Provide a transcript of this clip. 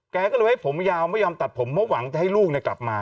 แกก็เลยให้ผมยาวไม่ยอมตัดผมเพราะหวังจะให้ลูกกลับมา